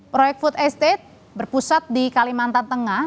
proyek food estate berpusat di kalimantan tengah